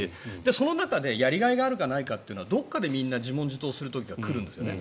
その中でやりがいがあるかないかはどこかでみんな自問自答する時が来るんですね。